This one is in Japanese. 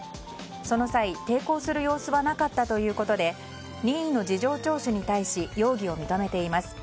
その際、抵抗する様子はなかったということで任意の事情聴取に対し容疑を認めています。